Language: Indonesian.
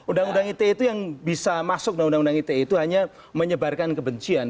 undang undang ite itu yang bisa masuk undang undang ite itu hanya menyebarkan kebencian